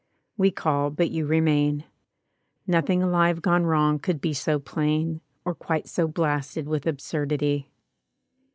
We call, but you remain. Nothing alive gone wrong could be so plain. Or quite so blasted with absurdity.